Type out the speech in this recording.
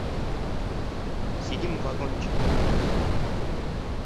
Сидим в вагончике.